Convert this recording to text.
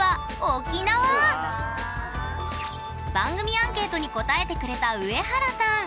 番組アンケートに答えてくれたウエハラさん。